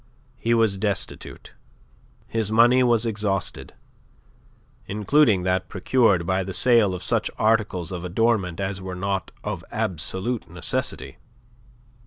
He was destitute. His money was exhausted, including that procured by the sale of such articles of adornment as were not of absolute necessity.